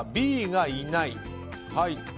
Ｂがいない。